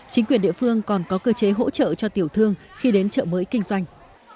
chính quyền địa phương còn có cơ chế hỗ trợ cho tiểu thương khi đến chợ mới kinh doanh